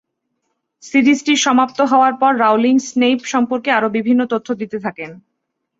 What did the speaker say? সিরিজটি সমাপ্ত হওয়ার পর রাউলিং স্নেইপ সম্পর্কে আরো বিভিন্ন তথ্য দিতে থাকেন।